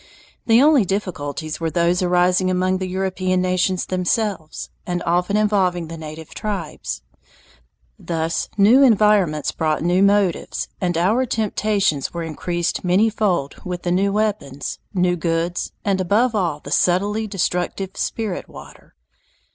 The only difficulties were those arising among the European nations themselves, and often involving the native tribes. Thus new environments brought new motives, and our temptations were increased manyfold with the new weapons, new goods, and above all the subtly destructive "spirit water."